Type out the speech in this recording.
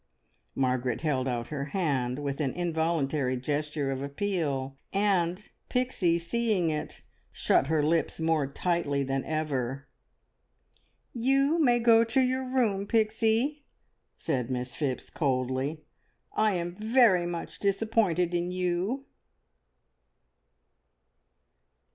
Margaret held out her hand with an involuntary gesture of appeal, and Pixie, seeing it, shut her lips more tightly than ever. "You may go to your room, Pixie," said Miss Phipps coldly. "I am very much disappointed in you!"